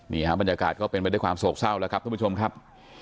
บรรยากาศก็เป็นไปด้วยความโศกเศร้าแล้วครับท่านผู้ชมครับ